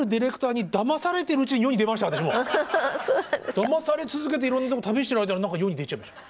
だまされ続けていろんなところ旅している間に世に出ちゃいました。